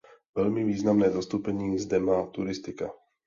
Velmi významné zastoupení zde má turistika.